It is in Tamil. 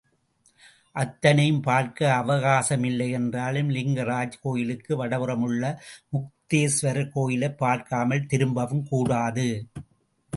அத்தனையையும் பார்க்க அவகாசமில்லை என்றாலும், லிங்கராஜ் கோயிலுக்கு வடபுறம் உள்ள முக்தேஸ்வரர் கோயிலைப் பார்க்காமல் திரும்பவும் கூடாது.